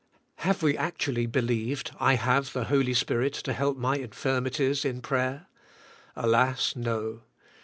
Have we actually believed, I have the Holy Spirit to help my infirmities in prayer? Alas! No.